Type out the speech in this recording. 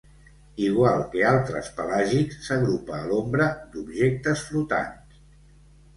Igual que altres pelàgics, s'agrupa a l'ombra d'objectes flotants.